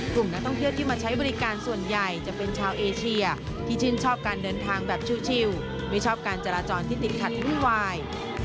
กลุ่มนักท่องเที่ยวที่มาใช้บริการส่วนใหญ่จะเป็นชาวเอเชียที่ชื่นชอบการเดินทางแบบชิลไม่ชอบการจราจรที่ติดขัดวุ่นวาย